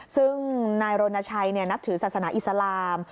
ซึ่งนายรณชัยนับถือศาสนาอิสลาม